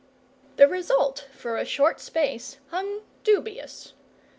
The result for a short space hung dubious.